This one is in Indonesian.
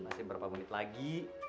masih berapa menit lagi